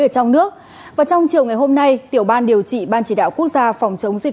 ở trong nước và trong chiều ngày hôm nay tiểu ban điều trị ban chỉ đạo quốc gia phòng chống dịch